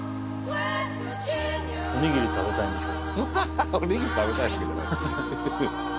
おにぎり食べたいんでしょ。